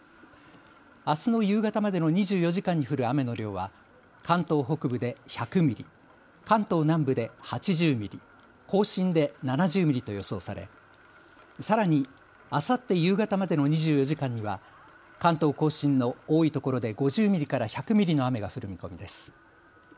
あすの夕方までの２４時間に降る雨の量は関東北部で１００ミリ、関東南部で８０ミリ、甲信で７０ミリと予想されさらにあさって夕方までの２４時間には関東甲信の多いところで５０ミリから１００ミリの雨が降る見込みです。